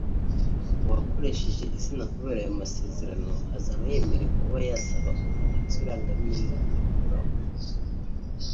uwakoresheje izina kubera ayo masezerano azaba yemerewe kuba yasaba umwanditsi w’irangamimerere kurikuraho